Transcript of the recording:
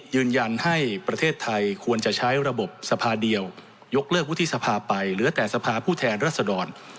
ยืนยันให้ประเทศไทยควรจะใช้ระบบสภาเดียวยกเลิกวุฒิสภาไปเหลือแต่สภาผู้แทนรัศดร